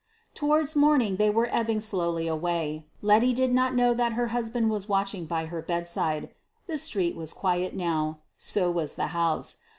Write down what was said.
Towards morning they were ebbing slowly away. Letty did not know that her husband was watching by her bedside. The street was quiet now. So was the house.